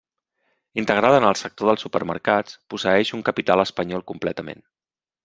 Integrada en el sector dels supermercats, posseeix un capital espanyol completament.